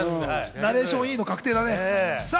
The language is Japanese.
ナレーション確定だね。